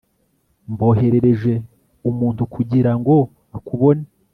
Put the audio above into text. mboherereje umuntu kugirango akubone